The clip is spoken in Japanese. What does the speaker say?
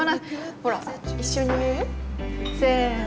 ほら一緒に言うよせの。